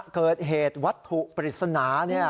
เกิดเหตุวัตถุปริศนา